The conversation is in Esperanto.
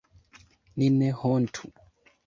Ni ne hontu!